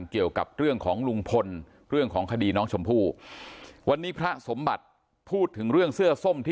เกี่ยวกับเรื่องของลุงพลเรื่องของคดีน้องชมพู่